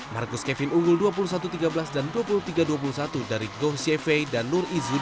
marcus kevin unggul dua puluh satu tiga belas dan dua puluh tiga dua puluh satu dari goh chefe dan nur izud